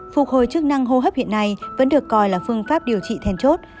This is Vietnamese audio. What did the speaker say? phục hồi chức năng hô hấp hiện nay vẫn được coi là phương pháp điều trị thèn chốt